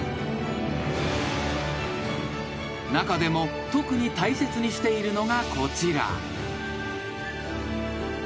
［中でも特に大切にしているのがこちら］